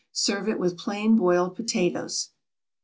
Serve it with plain boiled potatoes.